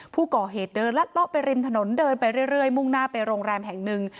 ผู้ก่อเหตุเดินลัดเลาะไปริมถนนเดินไปเรื่อยมุ่งหน้าไปโรงแรมแห่งหนึ่ง